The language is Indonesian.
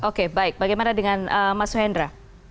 oke baik bagaimana dengan mas wendra